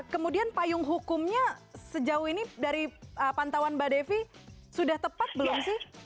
kemudian payung hukumnya sejauh ini dari pantauan mbak devi sudah tepat belum sih